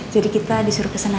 jadi kita disuruh kesana